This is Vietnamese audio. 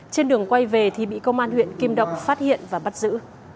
trên đường quay về thì bị công an huyện kim động phát hiện và bắt giữ